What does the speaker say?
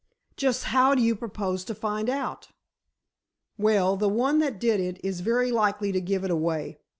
"Just how do you propose to find out?" "Well, the one that did it is very likely to give it away.